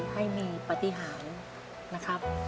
ให้มีปฏิหารนะครับ